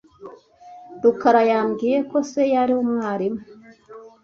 Rukara yambwiye ko se yari umwarimu.